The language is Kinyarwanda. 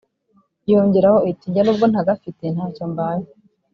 Yongeraho iti: “Nge n’ubwo ntagafite ntacyo mbaye